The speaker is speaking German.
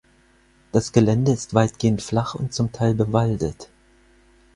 Das Gelände ist weitgehend flach und zum Teil bewaldet.